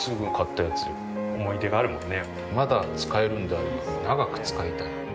まだ使えるんであれば長く使いたい。